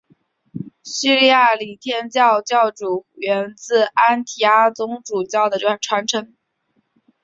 叙利亚礼天主教会源自安提阿宗主教的传承。